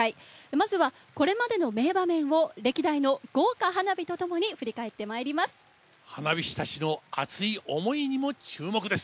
まずはこれまでの名場面を歴代の豪華花火とともに振り返ってまいります。